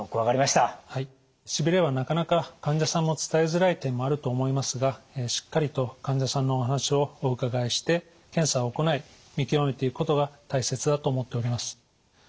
しびれはなかなか患者さんも伝えづらい点もあると思いますがしっかりと患者さんのお話をお伺いして検査を行い見極めていくことが大切だと思っております。